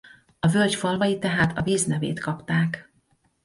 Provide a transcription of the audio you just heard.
A völgy falvai tehát a víz nevét kapták.